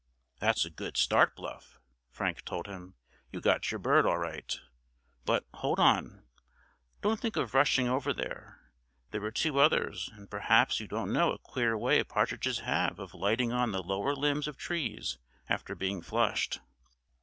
"That's a good start, Bluff," Frank told him; "you got your bird, all right; but, hold on—don't think of rushing over there. There were two others, and perhaps you don't know a queer way partridges have of lighting on the lower limbs of trees after being flushed."